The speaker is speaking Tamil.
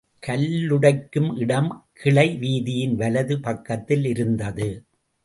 கல்லுடைக்கும் இடம் கிளை வீதியின் வலது பக்கத்திலிருந்தது.